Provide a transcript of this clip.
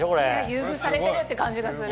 優遇されてるって感じがする。